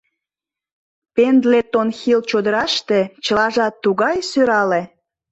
Пендлетон-Хилл чодыраште чылажат тугай сӧрале!